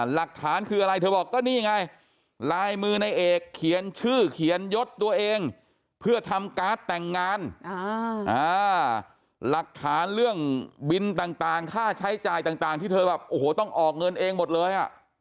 หลักฐานคืออะไรเธอบอกก็นี่ไงลายมือในเอกเขียนชื่อเขียนยศตัวเองเพื่อทำการ์ดแต่งงานหลักฐานเรื่องบินต่างค่าใช้จ่ายต่างที่เธอแบบโอ้โหต้องออกเงินเองหมดเลย